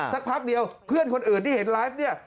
สักพักเดียวเพื่อนคนอื่นที่เห็นไลฟ์เนี่ย